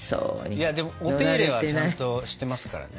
いやでもお手入れはちゃんとしてますからね。